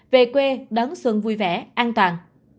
về quê đón xuân vui vẻ an toàn